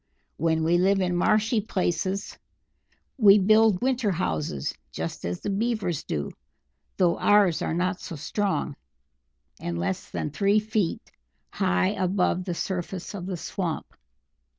When we live in marshy places we build winter houses, just as the Beavers do, though ours are not so strong, and less than three feet high above the surface of the swamp.